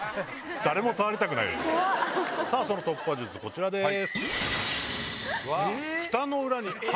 その突破術こちらです。